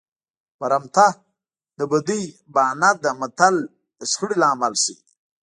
برمته د بدۍ بانه ده متل د شخړې لامل ښيي